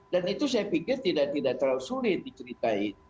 dan itu saya pikir tidak terlalu sulit diceritain